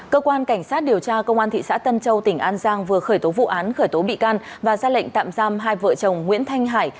cơ quan cảnh sát điều tra công an thị xã tân châu tỉnh an giang vừa khởi tố vụ án khởi tố bị can và ra lệnh tạm giam hai vợ chồng nguyễn thanh hải